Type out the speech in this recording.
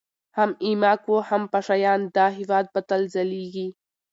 هم ايـــماق و هم پـــشــه یــــیــان، دا هـــیــواد به تــل ځلــــــیــــږي